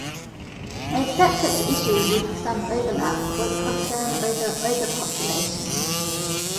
A separate issue with some overlap was concern over overpopulation.